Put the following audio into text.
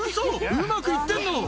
うまくいってんの？